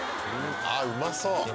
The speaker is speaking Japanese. うまそう！